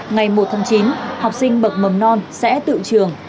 ngày một tháng chín học sinh bậc mầm non sẽ tự trường